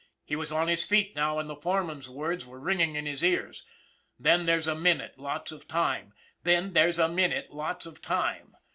He was on his feet now, and the foreman's words were ringing in his ears :" Then there's a minute, lots of time ! Then there's a minute, lots of time!"